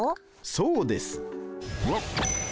そうです。